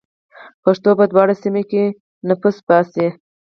پښتو په دواړو سیمه کې نفس باسي.